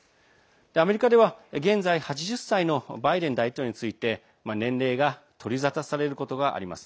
アメリカでは、現在８０歳のバイデン大統領については年齢が取り沙汰されることがあります。